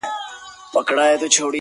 ما له مړو کفنونه تښتولي،